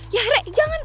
ya re jangan